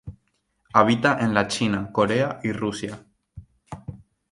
Habita en la China, Corea y Rusia.